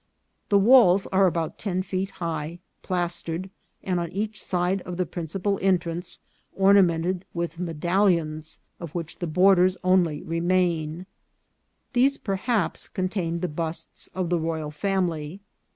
The walls are about ten feet high, plastered, and on each side of the principal entrance ornamented with medallions, of which the borders only remain ; these perhaps contained the busts of the royal family.